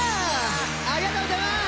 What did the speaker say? ありがとうございます！